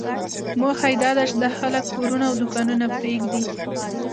موخه یې داده چې دا خلک کورونه او دوکانونه پرېږدي.